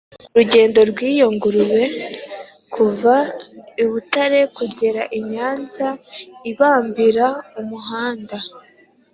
Urugendo rw'iyo Ngurube, kuva i Butare kugera i Nyanza: ibambira umuhanda,